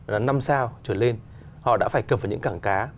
là năm sao trở lên họ đã phải cập vào những cảng cá